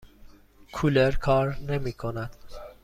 کولر کار نمی کند.